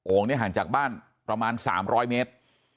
งเนี่ยห่างจากบ้านประมาณ๓๐๐เมตร